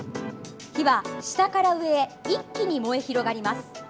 火は、下から上へ一気に燃え広がります。